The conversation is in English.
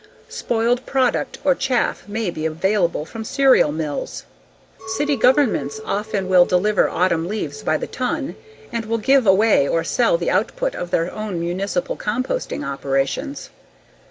Spoiled product or chaff may be available from cereal mills. City governments often will deliver autumn leaves by the ton and will give away or sell the output of their own municipal composting operations.